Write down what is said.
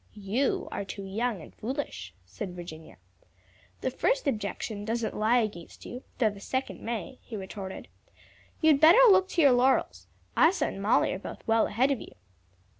"You are too young and foolish," said Virginia. "The first objection doesn't lie against you, though the second may," he retorted. "You'd better look to your laurels. Isa and Molly are both well ahead of you."